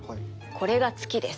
これが月です。